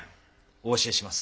お教えします。